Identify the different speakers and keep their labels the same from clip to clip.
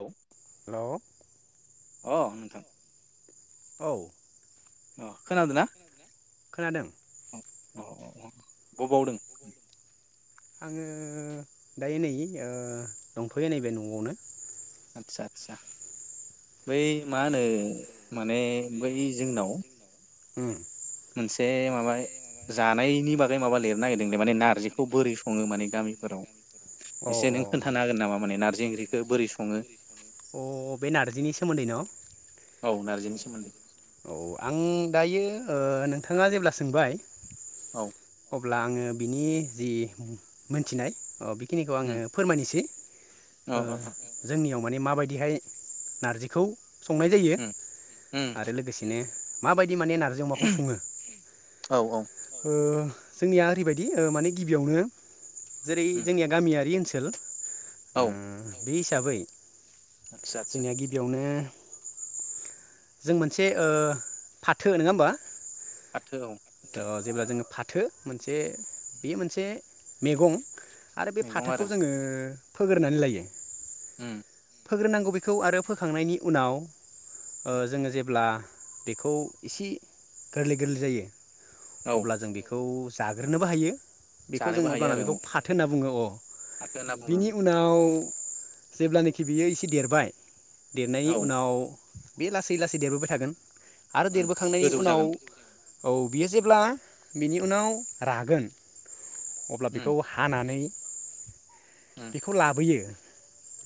Speaker 1: औ
Speaker 2: लौ
Speaker 1: अ नोंथां
Speaker 2: औ
Speaker 1: अ खोनादोंना
Speaker 2: खोनादों
Speaker 1: अ अ अ गबावदों हम
Speaker 2: आङो दायो नै ओ दंथ'यो नैबे न'आवनो
Speaker 1: आदसा आदसा बै मा होनो माने बै जोंनाव
Speaker 2: ओम
Speaker 1: मोनसे माबा जानायनि बागै माबा लिरनो नागिरदोंलै माने नारजिखौ बोरै सङो माने
Speaker 2: औ
Speaker 1: गामिफोराव एसे
Speaker 2: औ
Speaker 1: नों खोन्थानो हागोन नामा माने नारजि ओंख्रिखौ बोरै स ङो
Speaker 2: अह बे नारजिनि सोमोन्दै न'
Speaker 1: औ नारजिनि सोमोन्दै
Speaker 2: औ आं दायो ओ नोंथाङा जेब्ला सोंबाय
Speaker 1: औ
Speaker 2: अब्ला आङो बिनि जि हु मोनथिनाय अ बि खिनिखौ आङो
Speaker 1: उम
Speaker 2: फोरमायनोसै
Speaker 1: औ औ
Speaker 2: ओह जोंनियाव माने माबायदिहाय नारजिखौ संनाय जायो
Speaker 1: उम उम
Speaker 2: आरो लोगोसेनो माबाय दि माने नारजि अमाखौ सङो
Speaker 1: औ औ
Speaker 2: हो जोंनिया ओरैबायदि माने गिबियावनो जेरै
Speaker 1: उम
Speaker 2: जोंनिया गामियारि ओनसो हेल उम
Speaker 1: औ
Speaker 2: बे हिसाबै
Speaker 1: आदसा आदसा
Speaker 2: जोंनिया गिबियावनो जों मोनसे ओ फाथो नङा होमबा
Speaker 1: फाथो औ फाथो
Speaker 2: थो मोनसे बेयो मोनसे मेगं आरो बे
Speaker 1: मैगं आरो
Speaker 2: फाथोखौ जोङो फोगोरनानै लायो
Speaker 1: उम
Speaker 2: फोग्रोनांगौ बेखौ आरो फोखांनायनि उनाव ओ जोङो जेब्ला बेखौ इसि गोरलै गोरलै जायो
Speaker 1: औ
Speaker 2: अब्ला जों बेखौ जाग्रोनोबो हायो । बेखौ
Speaker 1: जानोबो
Speaker 2: जोङो
Speaker 1: हायो
Speaker 2: अब्लाना
Speaker 1: आरो
Speaker 2: बेखौ
Speaker 1: औ
Speaker 2: फाथो होनना बुङो अ ।
Speaker 1: फाथो होनना बुङो
Speaker 2: बिनि उनाव जेब्लानिखि बियो एसे देरबाय देरनायनि
Speaker 1: औ
Speaker 2: उनाव बे लासै लासै देरबोबाय थागोन । आरो
Speaker 1: उम
Speaker 2: देरबोखांनायनि
Speaker 1: गोजौ
Speaker 2: उनाव
Speaker 1: जागोन
Speaker 2: औ बियो जेब्ला बिनि उनाव रागोन अब्ला
Speaker 1: उम
Speaker 2: बेखौ हानानै
Speaker 1: उम
Speaker 2: बेखौ लाबोयो ।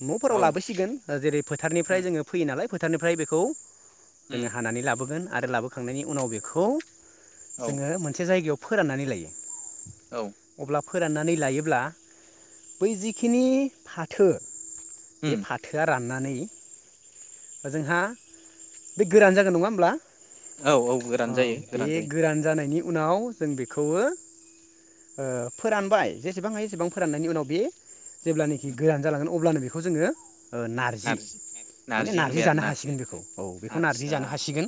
Speaker 2: नफोराव
Speaker 1: औ
Speaker 2: लाबोसिगोन ओ जेरै फोथारनिफ्राय
Speaker 1: उम
Speaker 2: जोङो फैयो नालाय फोथारनिफ्राय बेखौ जोङो
Speaker 1: उम
Speaker 2: हानानै लाबोगोन । आरो लाबोखांनायनि उनाव बेखौ
Speaker 1: औ
Speaker 2: जोङो मोनसे जायगायाव फोराननानै लायो ।
Speaker 1: औ ।
Speaker 2: फोराननानै लायोब्ला बै जिखिनि फाथो बे
Speaker 1: उम
Speaker 2: फाथोआ रान नानै जोंहा बे गोरान जागोन नङा होमब्ला?
Speaker 1: औ औ गोरान जायो
Speaker 2: बे
Speaker 1: गोरान जायो ।
Speaker 2: जानायनि उनाव जों बेखौवो ओ फोरानबाय जेसेबां हायो एसेबां फोराननायनि उनाव बे जेब्लानिखि गोरान जालांगोन अब्लानो बेखौ जोङो ओ नारजि नारजि
Speaker 1: होनबाय आरो
Speaker 2: जानो
Speaker 1: ना
Speaker 2: हासिगोन बेखौ बेखौ नारजि
Speaker 1: आदसा
Speaker 2: जानो हासिगोन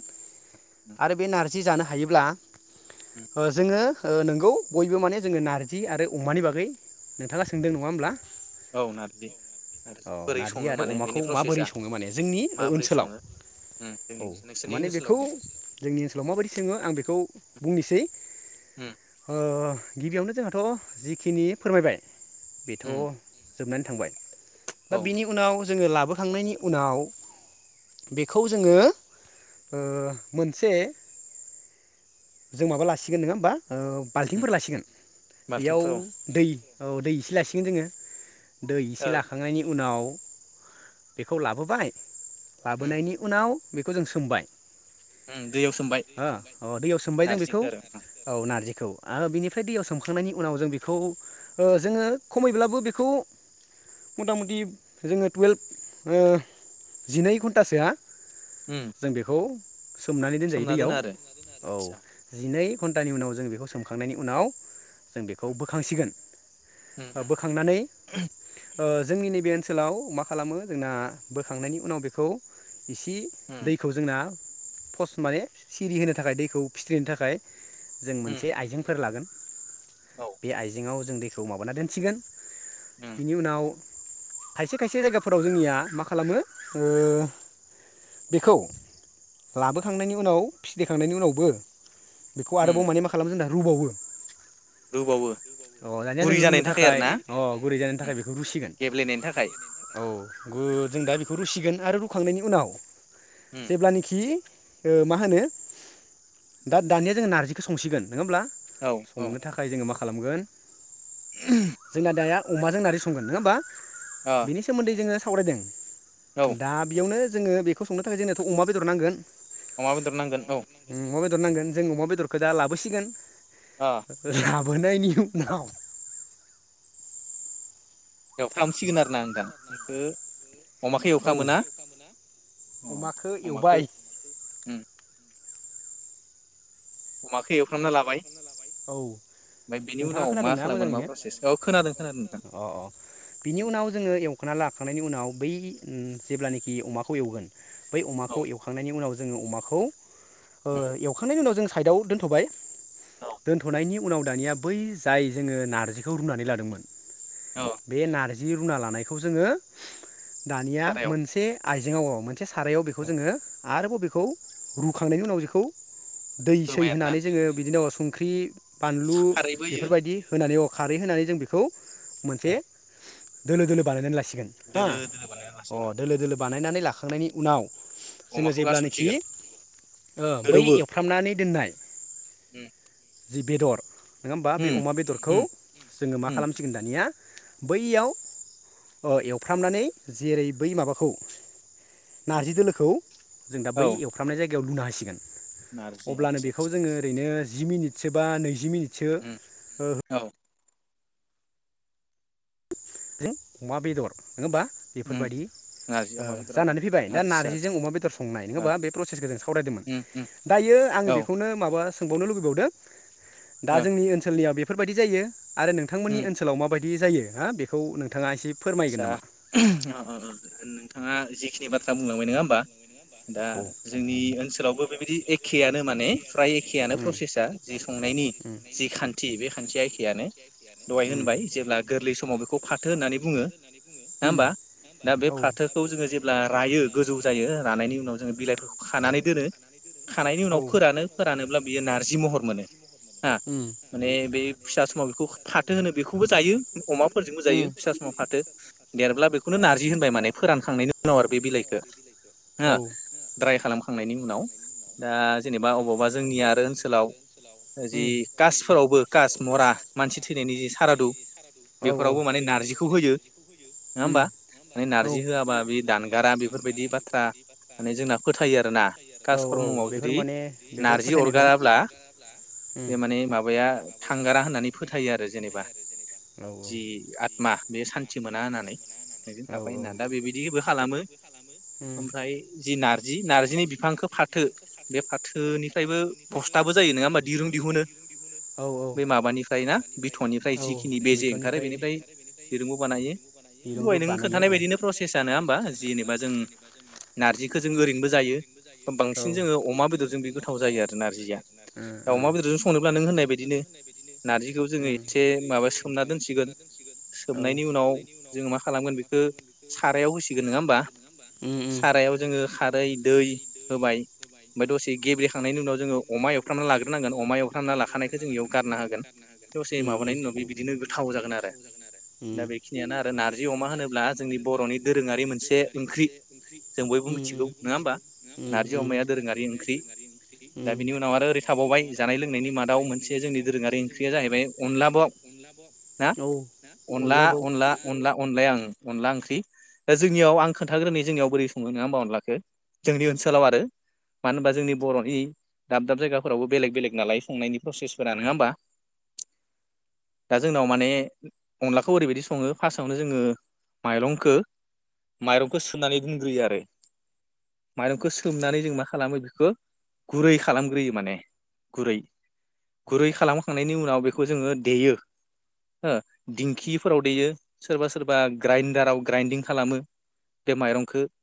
Speaker 1: उम
Speaker 2: आरो बेखौ नार- नारजि जानो हायोब्ला
Speaker 1: उम
Speaker 2: ओ जोङो ओ नोंगौ बयबो माने जोङो नारजि आरो अमानि बागै नोंथाङा सोंदों नङा होमब्ला
Speaker 1: औ नारजि आरो
Speaker 2: औ
Speaker 1: बोरै
Speaker 2: नारजि
Speaker 1: सङो
Speaker 2: आरो
Speaker 1: माने
Speaker 2: अमाखौ
Speaker 1: बेनि
Speaker 2: माबोरै
Speaker 1: प्रसेसा?
Speaker 2: सङो माने जोंनि ओ
Speaker 1: माबोरै
Speaker 2: ओनसोलाव
Speaker 1: सङो उम जोंनि
Speaker 2: औ
Speaker 1: नोंसोरनि
Speaker 2: माने
Speaker 1: ओनसोलाव
Speaker 2: बेखौ जोंनि ओनसोलाव माबायदि सोङो आं बेखौ बुंनोसै ।
Speaker 1: ओम।
Speaker 2: ओ गिबियावनो जोंहाथ' जिखिनि फोरमायबाय। बेथ'
Speaker 1: उम
Speaker 2: जोबनानै थांबाय। दा
Speaker 1: औ
Speaker 2: बिनि उनाव जोङो लाबोखांनायनि उनाव बेखौ जोङो ओ मोनसे जों माबा लासिगोन नङा होनबा। ओ
Speaker 1: उम
Speaker 2: बाल्थिंफोर लासिगोन बेयाव
Speaker 1: बाल्थिंफोराव
Speaker 2: दै औ दै इसे लासिगोन जोङो। दै इसे
Speaker 1: ओ
Speaker 2: लाखांनायनि उनाव बेखौ लाबोबाय
Speaker 1: उम
Speaker 2: लाबोनायनि उनाव बेखौ जों सोमबाय।
Speaker 1: उम दैयाव सोमबाय
Speaker 2: हो औ दैयाव सोमबाय जों बेखौ
Speaker 1: नारजिखौ आरो
Speaker 2: औ
Speaker 1: उम
Speaker 2: नारजिखौ आरो बिनि बेनोफ्राइ दैयाव सोमखांनायनि उनाव जों बेखौ जोङो खमैब्लाबो बेखौ मथा मथि जोङो टुयेल्भ ओ जिनै घन्टासोआ
Speaker 1: उम
Speaker 2: जों बेखौ सोमनानै दोनजायो
Speaker 1: सोमना
Speaker 2: दैयाव
Speaker 1: दोनो आरो
Speaker 2: औ
Speaker 1: आदसा
Speaker 2: जिनै एक घन्टानि उनाव जों बेखौ सोमखांनायनि उनाव जों बेखौ
Speaker 1: उम
Speaker 2: बोखांसिगोन
Speaker 1: उम
Speaker 2: बोखांनानै ओ जोंनि नैबे ओनसोलाव मा खालामो जोंना बोखांनायनि उनाव बेखौ। इसे
Speaker 1: उम
Speaker 2: दैखौ जोंना पस्ट माने सिरि होनो थाखाय दैखौ फिथ्रिनो थाखाय जों
Speaker 1: उम
Speaker 2: मोनसे आइजेंफोर लागोन।
Speaker 1: औ
Speaker 2: बे आइजेंआव जों दैखौ माबाना दोनसिगोन।
Speaker 1: उम
Speaker 2: बेनि उनाव खायसे खायसे जायगाफोराव जोंनिया माखासे खालामो ओ बेखौ लाबोखांनायनि उनाव फिदिखांनायनि उनावबो बेखौ
Speaker 1: उम
Speaker 2: आरोबाव माने मा खालामो जोंना रुबावो।
Speaker 1: रुबावो
Speaker 2: अ दानिया जों
Speaker 1: गुरै
Speaker 2: रुनो
Speaker 1: जानायनि आरो
Speaker 2: थाखाय
Speaker 1: ना
Speaker 2: अ गुरै जानायनि
Speaker 1: उम
Speaker 2: थाखाय बेखौ रुसिगोन
Speaker 1: गेब्लेनायनि थाखाय
Speaker 2: औ ‌। गुद जों दा बेखौ रुसिगोन आरो रुखांनायनि उनाव
Speaker 1: उम
Speaker 2: जेब्लानोखि मा होनो दा दानिया जोङो नारजिखौ संसिगोन नङा होमब्ला
Speaker 1: औ औ
Speaker 2: संनो थाखाय जोङो माखा खालामगोन जोंना दाया अमाजों नारजि संगोन नङा होमबा
Speaker 1: ओ
Speaker 2: बिनि सोमोन्दै जोङो सावरायदों
Speaker 1: औ
Speaker 2: दा बेयावनो जोङो बेखौ संनो थाखाय जोंनोथ' अमा बेदर नांगोन
Speaker 1: अमा बेदर नांगोन औ
Speaker 2: उम अमा बेदर नांगोन जों अमादरखौ दा लाबोसिगोन
Speaker 1: ओ
Speaker 2: [unintelligible] बोनायनि उनाव
Speaker 1: एवफ्रामसिगोन आरो ना नोंथां ओ
Speaker 2: औ
Speaker 1: अ
Speaker 2: अमखौ
Speaker 1: अमाखौ
Speaker 2: एवबाय
Speaker 1: अमाखौ एवफ्रामना लाबाय
Speaker 2: औ
Speaker 1: ओमफ्राय बेनि
Speaker 2: नोंथाङा
Speaker 1: उनाव मा
Speaker 2: खोनादोंना
Speaker 1: खालामगोन मा
Speaker 2: मोजाङैनो औ
Speaker 1: प्रसेस नोंथां
Speaker 2: खोनादों अ अ बिनि उनाव जोङो [unintelligible] लाखांनायनि उनाव बै जेब्लानाखि अमाखौ एवगोन बै अमाखौ
Speaker 1: औ
Speaker 2: एवखांनायनि उनाव जो जोङो अमाखौ ओ
Speaker 1: उम
Speaker 2: एवखांनायनि उनाव जों सा साइदआव दोन्थ'बाय
Speaker 1: औ
Speaker 2: दोनथ'नायनि उनाव दानिया बै जाय जोङो नारजिखौ रुनानै लादोंमोन
Speaker 1: औ
Speaker 2: बे नारज जि रुना लानायखौ जोङो दानिया
Speaker 1: सारायाव
Speaker 2: मोनसे आइजेंङाव अ मोनसे सारायाव बेखौ जोङो आरोबाव बेखौ रुखांनायनि उनाव बेखौ आ दै सै
Speaker 1: होबाय आरो ना
Speaker 2: होनानै जोङो बिदिनो अ सं ख्रि बानलु
Speaker 1: खारैबो होयो
Speaker 2: बेफोरबायदि होनानै अ खारै होनानै जों बेखौ मोनसे
Speaker 1: उम
Speaker 2: दोलो दोलो बानायनानै लासिग गोन हा
Speaker 1: दोलो दोलो बानायना
Speaker 2: अ
Speaker 1: लासिगोन
Speaker 2: दोलो दोलो बानाय लाखांनायनि उनाव
Speaker 1: ओं
Speaker 2: जोंङो
Speaker 1: अमाखौ
Speaker 2: जेब्लानोखि
Speaker 1: गारसनसिगोन
Speaker 2: ओ बै
Speaker 1: गोदौवो
Speaker 2: एवफ्रामनानै दोननाय
Speaker 1: उम
Speaker 2: जि बेदर नोंङा होमबा? बे
Speaker 1: उम
Speaker 2: अमा बेदरखौ
Speaker 1: उम
Speaker 2: जोंङो मा
Speaker 1: उम
Speaker 2: खालामसिगोन दानिया बैयाव अ एवफ्रामनानै जेरै बै माबाखौ नारजि दोलोखौ जों दा
Speaker 1: औ
Speaker 2: बै एवफ्रामनाय जाय गायाव लुना हासिगोन
Speaker 1: नारजि
Speaker 2: अब्लानो
Speaker 1: आदसा
Speaker 2: बेखौ
Speaker 1: आदसा
Speaker 2: जोंङो ओरैनो जि मिनिटसोबा नैजि मिनिट सो
Speaker 1: उम
Speaker 2: ओ
Speaker 1: औ
Speaker 2: जों अमा बेदर नोंङोमबा
Speaker 1: उम
Speaker 2: बेफोरबायदि
Speaker 1: नारजि
Speaker 2: ओ
Speaker 1: अमा बेदर आरो
Speaker 2: जानानै फैबाय दा
Speaker 1: आदसा आदसा
Speaker 2: नार्जिजों अमा बेदर संनाय नोंङा
Speaker 1: औ
Speaker 2: होमबा? बे प्रसेसखौ जों सावरायदोंमोन दायो आंङो
Speaker 1: औ ओ
Speaker 2: बेखौनो माबा सोंबावनो लुुबैबावदों। दा जोंनि ओनसोलनियाव बे बेफोरबायदि जायो। आरो नोंथांमोननि
Speaker 1: उम
Speaker 2: ओनसोलाव माबाय दि जायो हा बे खौ नोंथांङा एसे
Speaker 1: आतसा अ अ नों थांङा जिखिनि बाथ्रा बुंलांबाय नोंङा होमबा? दा
Speaker 2: उम प्रसेसा
Speaker 1: जोंनि ओनसोलावबो बेबायदि एखेयानो माने फ्राय एखेआानो प्रसेसा जि संनायनि जि खान्थि बे खान्थिया खियानो
Speaker 2: [unintelligible] गोरलै समाव बेखौ फाथो
Speaker 1: नोंङाबा दा बे फाथो
Speaker 2: उनाव मोनो
Speaker 1: फाथो होनो बेखौबो जायो अमाफोरजोंबो जायो फिसा समाव फाथो देरब्ला बेखौनो नारजि होनबाय माने फोरानखांनायनि उनाव आरो बे बिलाइखौ हो
Speaker 2: फाथो
Speaker 1: द्राय खालाम खांनायनि उनाव दा जेनेबा अबावबा जोंनि आरो ओनसोलाव जि कासफोरावबो कास मरा मानसि थैनायनि जि सारादु बेफोरावबो माने नारजिखौ होयो। नोंङाबा?
Speaker 2: माने
Speaker 1: नै नारजि होआबा बे दा दानगारा बेफोरबायदि बाथ्रा माने जोंना फोथायो आरोना खास [unintelligible] जुदि
Speaker 2: सुबुंफोरखौ
Speaker 1: नारजि
Speaker 2: दि
Speaker 1: अरगाराब्ला बे माने माबाया। थांगारा होननानै फोथायो आरो जेनेबा।
Speaker 2: औ
Speaker 1: जि आतमा। बे सान थि मोना होननानै। बिदिनो
Speaker 2: औ
Speaker 1: थाफायो
Speaker 2: औ थाबाय होनना
Speaker 1: ना दा बेबायदि। बो खालामो।
Speaker 2: खालामो
Speaker 1: ओमफ्राय जि नार जि नारजिनि बिफांखौ
Speaker 2: नारजिनि
Speaker 1: फाथो
Speaker 2: बिफांसो
Speaker 1: बे
Speaker 2: फाथो बे
Speaker 1: फाथोनिफ्रायबो
Speaker 2: फाथोनिफ्रायबो
Speaker 1: बस्थाबो जायो नङा होमबा
Speaker 2: फस्थाबो जायो
Speaker 1: दिरुं
Speaker 2: नङा होनबा
Speaker 1: दिहुनो
Speaker 2: दिरुं दिहुनो औ औ
Speaker 1: बे
Speaker 2: बे
Speaker 1: माबानिफ्राय ना
Speaker 2: माबानिफ्राय ना
Speaker 1: बिथ'निफ्राय
Speaker 2: औ
Speaker 1: जिखिनि बेजे ओंखारो
Speaker 2: मैथुननिफ्राय
Speaker 1: बेनिफ्राय
Speaker 2: [unintelligible] बेनिफ्राय
Speaker 1: दिरुंबो बानायो दहाय नों खोन्थानाय बादिनो प्रसेसआ नोङा होमबा जेनेबा जों। नारजिखौ जों ओरैनोबो जायो।
Speaker 2: औ
Speaker 1: जोङो अमा
Speaker 2: बांसिन जोङो
Speaker 1: बेदरजों बे
Speaker 2: अमा
Speaker 1: गोथाव
Speaker 2: बेदरजों
Speaker 1: जायो
Speaker 2: बे
Speaker 1: आरो
Speaker 2: गोथाव जायो
Speaker 1: नारजिया
Speaker 2: आरोना उम उम
Speaker 1: अमा बेदरजों
Speaker 2: दा अमा
Speaker 1: संनोब्ला नों
Speaker 2: बेदरजों
Speaker 1: होननाय
Speaker 2: संनोब्ला नों
Speaker 1: बायदिनो
Speaker 2: होननाय बायदिनो
Speaker 1: नारजिखौ जोङो
Speaker 2: उम बिदिखौ
Speaker 1: एसे
Speaker 2: जोङो एसे माबा सोमना दोनसिगोन।
Speaker 1: नायनि उनाव जोङो मा खालामगोन बे हो सारायाव होसिगोन नङा होमबा?
Speaker 2: ओमफ्राय
Speaker 1: सारायाव जोङो खार दै होबाय ओमफ्राय दसे गेब्रे खांनायनि उनाव जोङो अमा एवफ्रामना लाग्रोनांगोन अमा एवफ्रामना लाखानायखौ जों इयाव गारना होगोन दसे माबानायनि उनाव बे बिदिनो गोथाव जागोन आरो। दा बेखिनियानो आरो नार्जि अमा होनोब्ला जोंनि बर'नि दोरोङारि मोनसे ओंख्रि जों बयबो मिथिगौ नङा होमबा नारजि अमाया दोरोङारि ओंख्रि। दा बिनि
Speaker 2: होमबा
Speaker 1: उनाव आरो ओरै थाबावबाय जानाय लोंनायनि मादाव मोनसे जोंनि दोरोङारि ओंख्रिया जाहैबाय अनला बाव ना।
Speaker 2: औ
Speaker 1: अनला अनला अनला। अनलाया उम अनला ओंख्रि दा जोंनियाव आं खोन्थाग्रोननि जोंनियाव बोरै सङो नङा होमबा अनलाखौ जोंनि ओनसोलाव आरो मानो होनबा जोंनि बर'नि दाब दाब जायगाफोरावबो बेलेग बेलेग नालाय संनायनि प्रसेसफोरा नङा होमबा दा जोंनाव माने अनलाखौ ओरैबायदि सङो फार्स्टआवनो जोङो माइरंखौ माइरंखौ सोमनानै दोनग्रोयो आरो माइरंखौ सोमनानै जों मा खालामो बेखौ गुरै खालामग्रोयो माने गुरै गुरै खालामखांनायनि उनाव बेखौ जोङो देयो हो। दिंखिफोराव दैेयो सोरबा सोरबा ग्राइडाराव ग्राइन्दिं खालामो बे माइरंखौ।